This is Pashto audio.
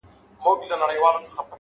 o زما په غــېږه كــي نــاســور ويـده دی،